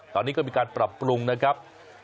ตอนนี้ก็มีการปรับปรุงนะครับ